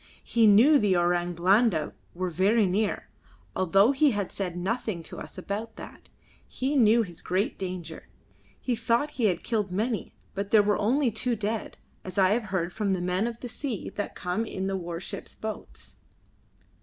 He knew the Orang Blanda were very near, although he had said nothing to us about that; he knew his great danger. He thought he had killed many, but there were only two dead, as I have heard from the men of the sea that came in the warship's boats."